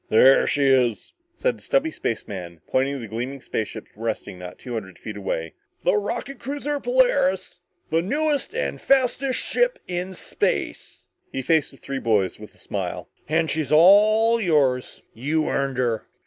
"There she is," said the stubby spaceman, pointing to the gleaming spaceship resting not two hundred feet away. "Rocket cruiser Polaris. The newest and fastest ship in space." He faced the three boys with a smile. "And she's all yours. You earned her!"